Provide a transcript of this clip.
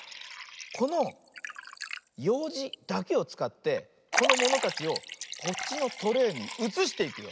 このようじだけをつかってこのものたちをこっちのトレーにうつしていくよ。